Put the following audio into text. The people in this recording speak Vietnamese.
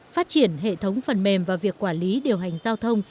phát triển hệ thống phần mềm và việc quản lý điều hành giao thông